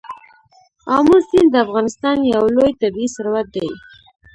آمو سیند د افغانستان یو لوی طبعي ثروت دی.